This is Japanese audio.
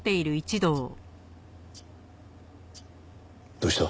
どうした？